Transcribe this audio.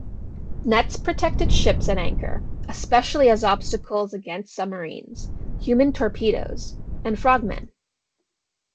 Nets protected ships at anchor, especially as obstacles against submarines, human torpedoes, and frogmen.